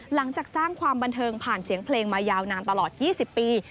หลังจากสร้างความบันเทิงผ่านเสียงเพลงมายาวนานตลอด๒๐ปี